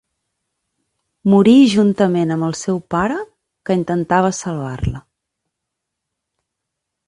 Morí juntament amb el seu pare, que intentava salvar-la.